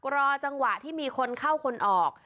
รอจังหวะที่มีคนเข้าคนออก